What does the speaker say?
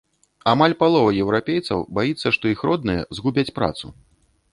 Амаль палова еўрапейцаў баіцца, што іх родныя згубяць працу.